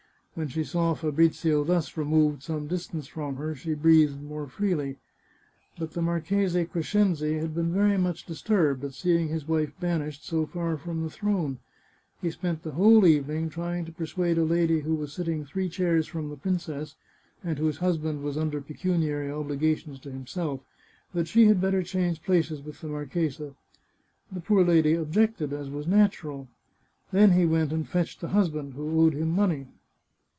When she saw Fabrizio thus removed some distance from her she breathed more freely. But the Marchese Crescenzi had been very much dis turbed at seeing his wife banished so far from the throne. He spent the whole evening trying to persuade a lady who was sitting three chairs from the princess, and whose hus band was under pecuniary obligations to himself, that she 498 The Chartreuse of Parma had better change places with the marchesa. The poor lady objected, as was natural. Then he went and fetched the husband, who owed him money.